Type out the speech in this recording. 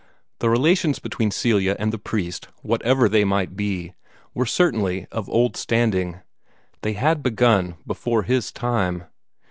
The relations between Celia and the priest, whatever they might be, were certainly of old standing. They had begun before his time.